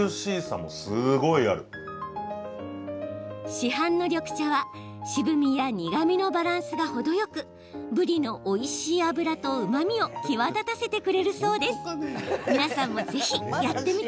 市販の緑茶は渋みや苦みのバランスが程よくぶりのおいしい脂とうまみを際立たせてくれるそうです。